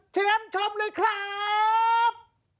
เชิญชมเลยครับ